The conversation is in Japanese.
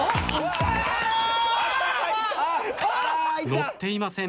乗っていません。